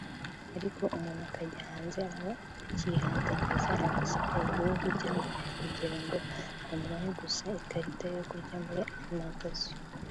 “ariko umuntu ajya hanze aho akihandagaza agasebya igihugu cyamubyaye kugirango bamuhe gusa ikarita yo kurya muri alimentation